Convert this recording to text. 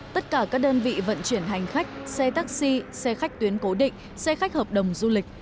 tất cả các đơn vị vận chuyển hành khách xe taxi xe khách tuyến cố định xe khách hợp đồng du lịch